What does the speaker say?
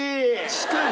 近い。